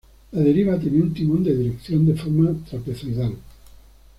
La deriva tenía un timón de dirección, de forma trapezoidal.